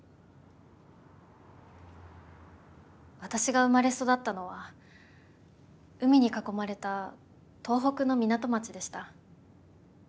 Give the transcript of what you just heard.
私が生まれ育ったのは海に囲まれた東北の港町でした。